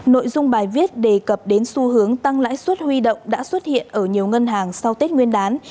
nội dung bài viết đề cập đến xu hướng tăng lãi suất huy động đã xuất hiện ở nhiều ngân hàng sau tết nguyên đán